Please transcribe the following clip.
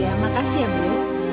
ya makasih ya bu